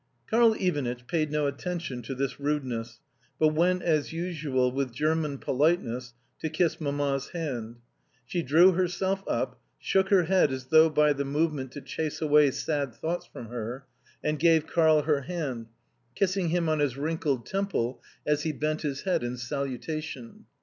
Karl Ivanitch paid no attention to this rudeness, but went, as usual, with German politeness to kiss Mamma's hand. She drew herself up, shook her head as though by the movement to chase away sad thoughts from her, and gave Karl her hand, kissing him on his wrinkled temple as he bent his head in salutation.